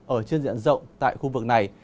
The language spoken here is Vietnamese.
ở trên diện rộng tại khu vực này